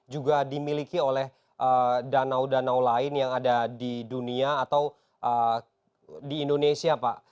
juga dimiliki oleh danau danau lain yang ada di dunia atau di indonesia pak